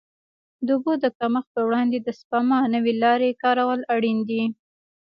د اوبو د کمښت پر وړاندې د سپما نوې لارې کارول اړین دي.